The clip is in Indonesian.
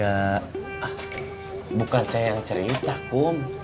ah bukan saya yang cerita kum